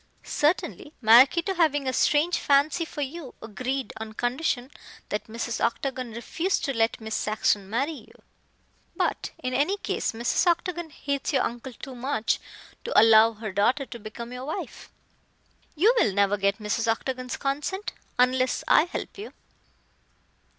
Certainly, Maraquito having a strange fancy for you, agreed, on condition that Mrs. Octagon refuse to let Miss Saxon marry you. But, in any case, Mrs. Octagon hates your uncle too much to allow her daughter to become your wife. You will never get Mrs. Octagon's consent unless I help you."